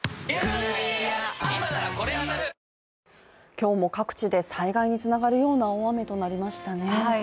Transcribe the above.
今日も各地で災害につながるような大雨となりましたね。